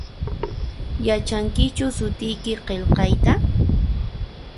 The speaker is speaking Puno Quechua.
Yachankichu sutiyki qilqayta?